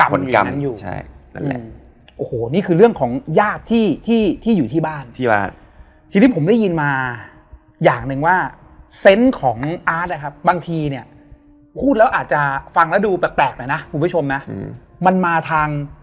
พักคือเราต้องห้ามให้เขารู้ว่าเราอ่ะ